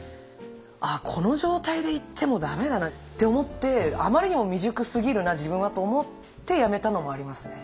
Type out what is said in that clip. あこの状態で行っても駄目だなって思って「あまりにも未熟すぎるな自分は」と思ってやめたのもありますね。